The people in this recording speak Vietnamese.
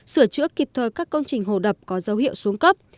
sửa chữa kịp thời các công trình hồ đập có dấu hiệu xuống cấp